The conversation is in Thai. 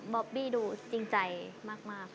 อบบี้ดูจริงใจมาก